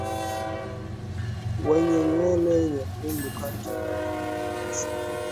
wenye nywele nyekundu kati ya Waturuki Hasa